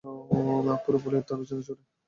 পুরো বলিউড তার পিছনে ছুটে।